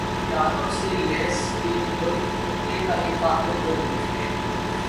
جوہری ہتھیاروں سے لیس یہ ملک خطے کا ایک طاقتور ملک ہے